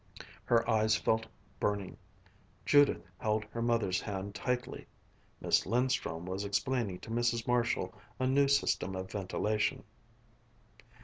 Her eyes felt burning. Judith held her mother's hand tightly. Miss Lindström was explaining to Mrs. Marshall a new system of ventilation.